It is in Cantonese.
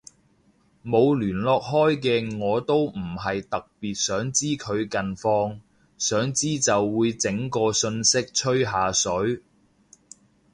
冇聯絡開嘅我都唔係特別想知佢近況，想知就會整個訊息吹下水